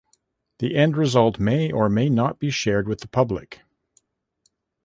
The end result may or may not be shared with the public.